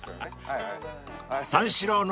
［三四郎の